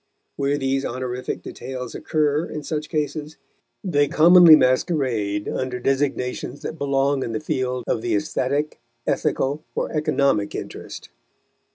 Where these honorific details occur, in such cases, they commonly masquerade under designations that belong in the field of the aesthetic, ethical or economic interest.